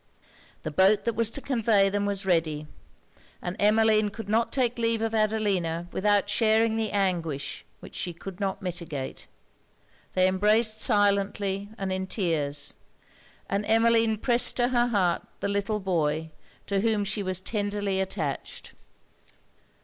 The boat that was to convey them was ready; and Emmeline could not take leave of Lady Adelina without sharing the anguish which she could not mitigate. They embraced silently and in tears; and Emmeline pressed to her heart the little boy, to whom she was tenderly attached.